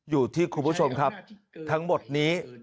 อยู่ที่คุณผู้ชมครับทั้งหมดนี้